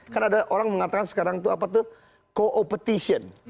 karena ada orang mengatakan sekarang itu apa tuh co opetition